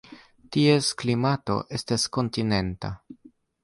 Ties klimato estas kontinenta.